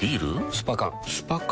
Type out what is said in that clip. スパ缶スパ缶？